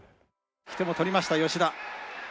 引き手も取りました吉田。